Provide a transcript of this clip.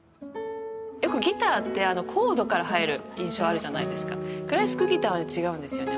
よくギターってコードから入る印象あるじゃないですかクラシックギターは違うんですよね